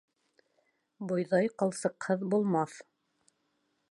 Бойҙай ҡылсыҡһыҙ булмаҫ.